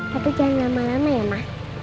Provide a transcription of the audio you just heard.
tapi jangan lama lama ya mas